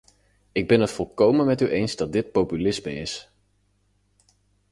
Ik ben het volkomen met u eens dat dit populisme is.